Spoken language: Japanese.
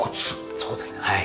そうですねはい。